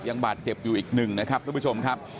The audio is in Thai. ยังบาดเจ็บอยู่อีกหนึ่งครับสวัสดีครับ